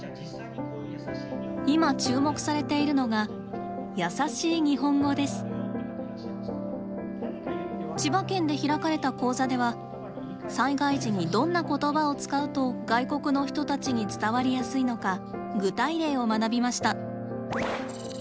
今注目されているのが千葉県で開かれた講座では災害時にどんな言葉を使うと外国の人たちに伝わりやすいのか具体例を学びました。